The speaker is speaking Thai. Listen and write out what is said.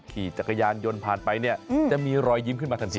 ขี่จักรยานยนต์ผ่านไปเนี่ยจะมีรอยยิ้มขึ้นมาทันที